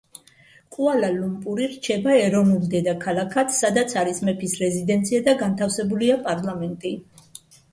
კუალა-ლუმპური რჩება ეროვნულ დედაქალაქად, სადაც არის მეფის რეზიდენცია და განთავსებულია პარლამენტი.